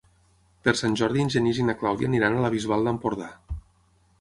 Per Sant Jordi en Genís i na Clàudia aniran a la Bisbal d'Empordà.